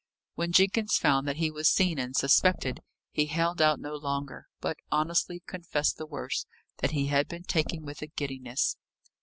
When Jenkins found that he was seen and suspected, he held out no longer, but honestly confessed the worst that he had been taken with a giddiness.